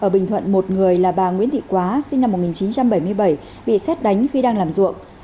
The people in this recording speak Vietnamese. ở bình thuận một người là bà nguyễn thị quá sinh năm một nghìn chín trăm bảy mươi bảy bị xét đánh khi đang làm ruộng